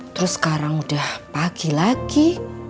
terus sekarang udah pagi lagi